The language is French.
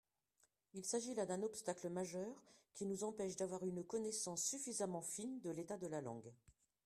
Il s’agit là d’un obstacle majeur qui nous empêche d’avoir une connaissance suffisamment fine de l’état de la langue.